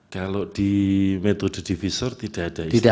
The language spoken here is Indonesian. kalau di metode divisor tidak ada istilah